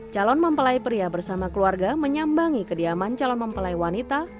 calon mempelai pria bersama keluarga menyambangi kediaman calon mempelai wanita